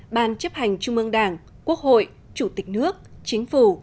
ban chấp hành trung ương đảng quốc hội chủ tịch nước chính phủ